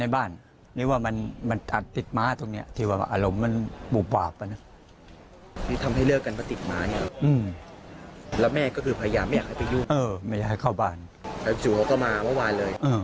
บอกว่าวันนี้กูต้องเอามึงแน่